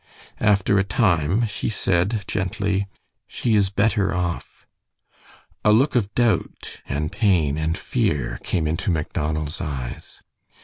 After a time she said gently, "She is better off." A look of doubt and pain and fear came into Macdonald's eyes.